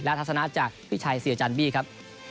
และทัศนะจากพี่ชัยเสียจันบี้ครับ